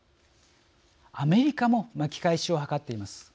アメリカも巻き返しを図っています。